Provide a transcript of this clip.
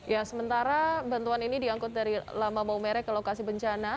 ya sementara bantuan ini diangkut dari lama maumere ke lokasi bencana